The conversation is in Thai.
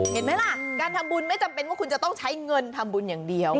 เห็นไหมล่ะการทำบุญไม่จำเป็นว่าคุณจะต้องใช้เงินทำบุญอย่างเดียว